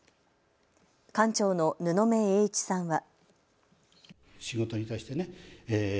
館長の布目英一さんは。